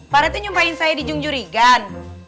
parete nyumpain saya di jungjuri kan